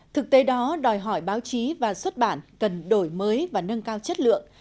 thực tế đó đòi hỏi báo chí và xuất bản cần đổi mới và nâng cao chất lượng